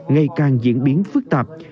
ngày càng diễn biến phức tạp